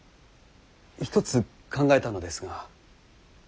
一つ考えたのですが。